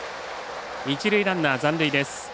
一塁ランナー、残塁です。